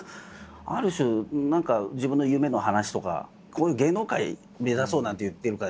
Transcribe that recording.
ある種何か自分の夢の話とかこういう芸能界目指そうなんて言ってるから。